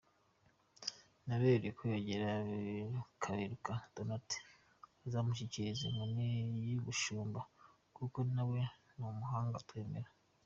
Narebe uko yegera Kaberuka Donarld azamushyikirize inkoni y’ubushumba kuko nawe numuhanga twemera.